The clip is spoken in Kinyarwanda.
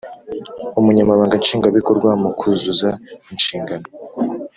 Umunyabanga nshingwabikorwa mu kuzuza inshingano